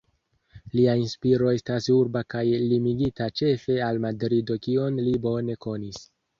Lia inspiro estas urba kaj limigita ĉefe al Madrido kion li bone konis.